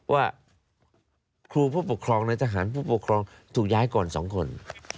ว่าครูผู้ปกครองในทหารผู้ปกครองถูกย้ายก่อน๒คน